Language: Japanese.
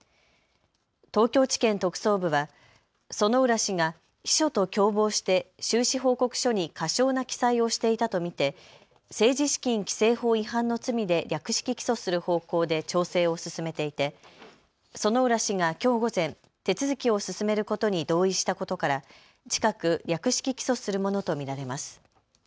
東京地検特捜部は薗浦氏が秘書と共謀して収支報告書に過少な記載をしていたと見て政治資金規正法違反の罪で略式起訴する方向で調整を進めていて薗浦氏がきょう午前、手続きを進めることに同意したことから近く略式起訴するものと見られます。